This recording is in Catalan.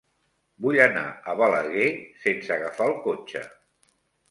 Vull anar a Balaguer sense agafar el cotxe.